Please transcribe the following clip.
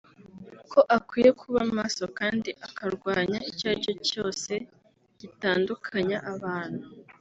ko akwiye kuba maso kandi akarwanya icyo ari cyo cyose gitandukanya abantu